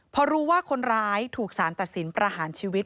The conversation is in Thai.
พอรู้ว่าคนร้ายถูกสารตัดสินประหารชีวิต